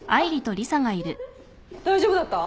大丈夫だった？